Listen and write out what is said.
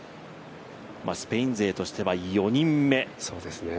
スペイン勢としては４人目。